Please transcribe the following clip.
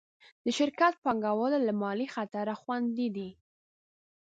د شرکت پانګهوال له مالي خطره خوندي دي.